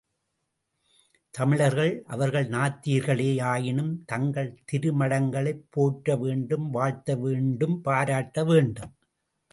தமிழர்கள், அவர்கள் நாத்திகர்களே யாயினும், தங்கள் திருமடங்களைப் போற்ற வேண்டும் வாழ்த்த வேண்டும் பாராட்ட வேண்டும்.